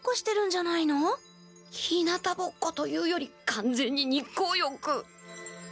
ひなたぼっこというよりかんぜんに日光浴。